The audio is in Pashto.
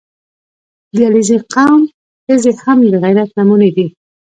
• د علیزي قوم ښځې هم د غیرت نمونې دي.